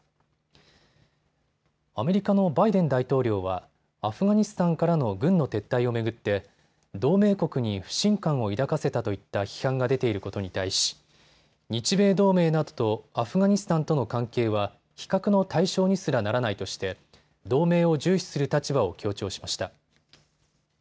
アメリカのバイデン大統領はアフガニスタンからの軍の撤退を巡って同盟国に不信感を抱かせたといった批判が出ていることに対し日米同盟などとアフガニスタンとの関係は比較の対象にすらならないとして同盟を重視する立場を強調しました。